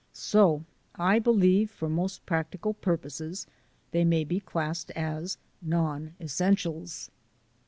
So I be lieve for most practical purposes they may be classed as non essentials.